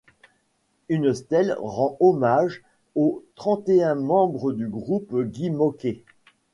Une stèle rend hommage aux trente-et-un membres du groupe Guy Mocquet.